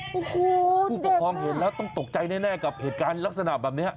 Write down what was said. โอ้โหผู้ปกครองเห็นแล้วต้องตกใจแน่กับเหตุการณ์ลักษณะแบบนี้